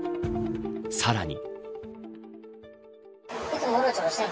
さらに。